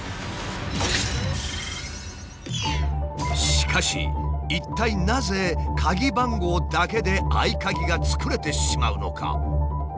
しかし一体なぜ鍵番号だけで合鍵が作れてしまうのか？